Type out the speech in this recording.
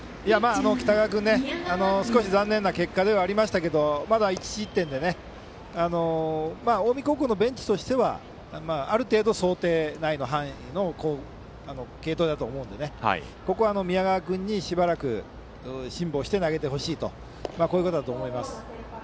北川君は少し残念な結果ではありましたがまだ１失点で近江高校のベンチとしてはある程度、想定内の範囲の継投だと思うのでここは宮川君にしばらく辛抱して投げてほしいと。